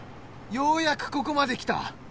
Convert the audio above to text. ようやくここまできた。